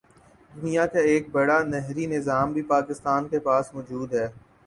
دنیا کا ایک بڑا نہری نظام بھی پاکستان کے پاس موجود ہے